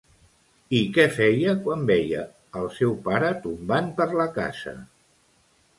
I què feia quan veia al seu pare tombant per la casa?